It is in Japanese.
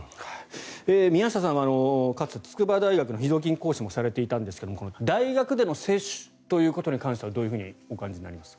宮下さんは、筑波大学の非常勤講師もされていましたが大学での接種ということに関してはどうお感じになりますか？